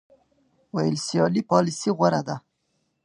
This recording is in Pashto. ویلسلي پالیسي غوره کړه.